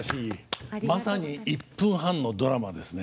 まさに１分半のドラマですね。